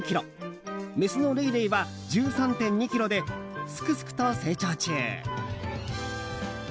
メスのレイレイは１３．２ｋｇですくすくと成長中。